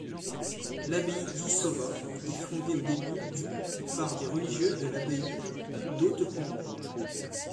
L'abbaye d'Isova est fondée au début du par des religieux de l’abbaye d'Hautecombe.